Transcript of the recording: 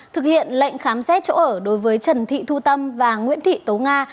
thực hiện lệnh khám xét chỗ ở đối với trần thị thu tâm và nguyễn thị tố nga